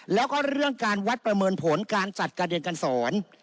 แล้วก็เรื่องการวัดประเมินผลการจัดการเรียนการสอน